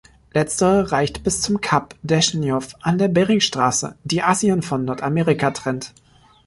Letztere reicht bis zum Kap Deschnjow an der Beringstraße, die Asien von Nordamerika trennt.